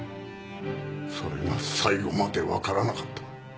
それが最後までわからなかった。